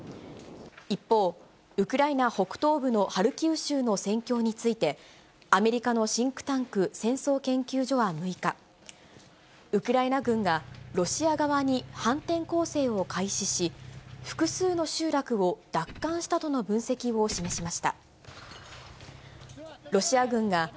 一方、ウクライナ北東部のハルキウ州の戦況について、アメリカのシンクタンク、戦争研究所は６日、ウクライナ軍がロシア側に反転攻勢を開始し、複数の集落を奪還し全国の皆さん、こんにちは。